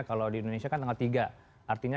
kalau di indonesia kan tanggal tiga artinya